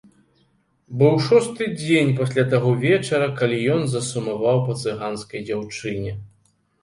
Быў шосты дзень пасля таго вечара, калі ён засумаваў па цыганскай дзяўчыне.